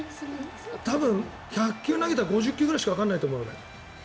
多分１００球投げたら５０球しかわからないと思うよ。